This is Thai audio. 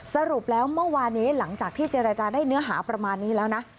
สรุปแล้วเมื่อวานี้หลังจากที่เจรจาได้เนื้อหาประมาณนี้แล้วนะ